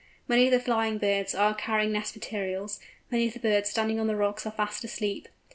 Many of the flying birds are carrying nest materials; many of the birds standing on the rocks are fast asleep!